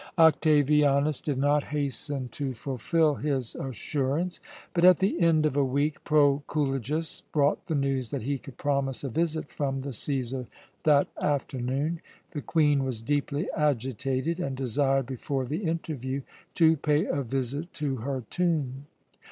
Octavianus did not hasten to fulfil his assurance. But, at the end of a week, Proculejus brought the news that he could promise a visit from the Cæsar that afternoon. The Queen was deeply agitated, and desired before the interview to pay a visit to her tomb.